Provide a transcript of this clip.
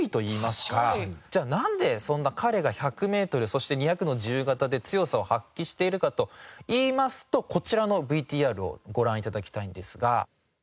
じゃあなんでそんな彼が１００メートルそして２００の自由形で強さを発揮しているかといいますとこちらのＶＴＲをご覧頂きたいんですが。